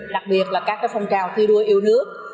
đặc biệt là các phong trào thi đua yêu nước